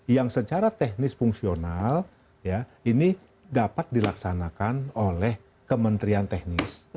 yang secara teknis fungsional ini dapat dilaksanakan oleh kementerian teknis